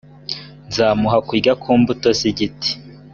nzamuha kurya ku mbuto z igiti